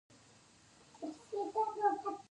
آیا په اختر کې د مشرانو لیدل دود نه دی؟